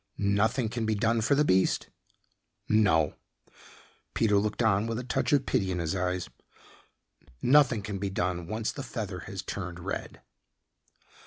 "Nothing can be done for the beast?" "No." Peter looked on with a touch of pity in his eyes, "Nothing can be done once the feather has turned red."